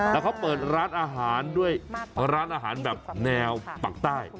แล้วเขาเปิดร้านอาหารด้วยร้านอาหารแบบแนวปากใต้